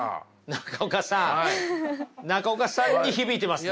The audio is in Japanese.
中岡さん中岡さんに響いてますよね。